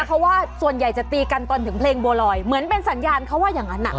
เพราะว่าส่วนใหญ่จะตีกันตอนถึงเพลงบัวลอยเหมือนเป็นสัญญาณเขาว่าอย่างนั้น